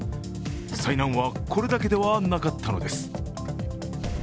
災難はこれだけではなかったのです。